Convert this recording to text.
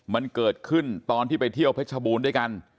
มันเกิดขึ้นตอนที่ไปเที่ยวเพชรบูรณ์ด้วยกัน